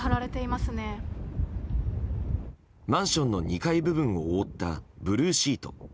マンションの２階部分を覆ったブルーシート。